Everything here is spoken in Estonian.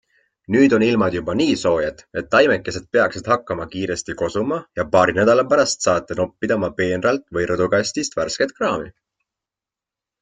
Nüüd on ilmad juba nii soojad, et taimekesed peaksid hakkama kiiresti kosuma ja paari nädala pärast saate noppida oma peenralt või rõdukastist värsket kraami.